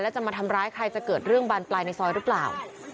จะมาทำร้ายใครจะเกิดเรื่องบานปลายในซอยหรือเปล่า